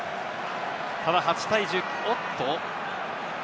ただ８対１９、おっと。